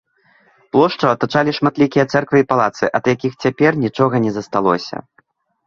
Плошчу атачалі шматлікія цэрквы і палацы, ад якіх цяпер нічога не засталося.